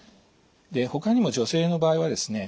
ほかにも女性の場合はですね